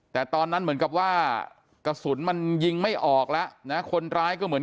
แต่ตอนนั้นเหมือนกับว่ากระสุนมันยิงไม่ออกแล้วนะคนร้ายก็เหมือน